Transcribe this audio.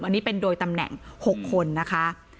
อันนี้เป็นโดยตำแหน่ง๖คนนะคะ